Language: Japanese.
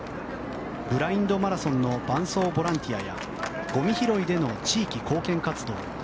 ブラインドマラソンの伴走ボランティアやごみ拾いでの地域貢献活動。